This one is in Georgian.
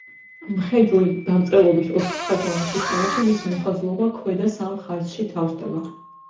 მხედრული დამწერლობის ოთხხაზოვან სისტემაში მისი მოხაზულობა ქვედა სამ ხაზში თავსდება.